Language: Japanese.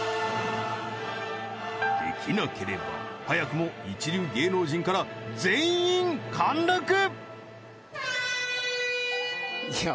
出来なければ早くも一流芸能人から全員陥落いや